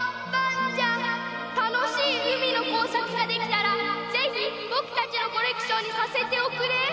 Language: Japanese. たのしいうみのこうさくができたらぜひぼくたちのコレクションにさせておくれ。